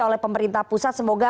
oleh pemerintah pusat semoga